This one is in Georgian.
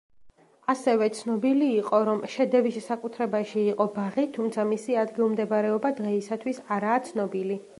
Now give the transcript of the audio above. ასევე ცნობილი იყო, რომ შედევის საკუთრებაში იყო ბაღი, თუმცა მისი ადგილმდებარეობა დღეისათვის არაა ცნობილი.